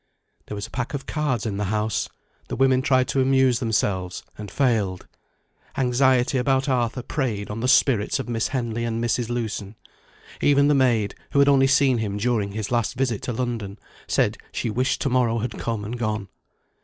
There was a pack of cards in the house; the women tried to amuse themselves, and failed. Anxiety about Arthur preyed on the spirits of Miss Henley and Mrs. Lewson. Even the maid, who had only seen him during his last visit to London, said she wished to morrow had come and gone.